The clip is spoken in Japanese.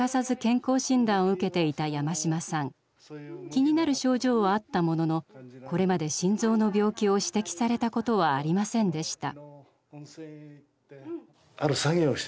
気になる症状はあったもののこれまで心臓の病気を指摘されたことはありませんでした。